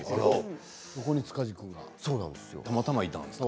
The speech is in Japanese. そこに塚地さんはたまたまいるんですね。